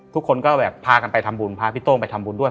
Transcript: ทุกคนก็แบบพากันไปทำบุญพาพี่โต้งไปทำบุญด้วย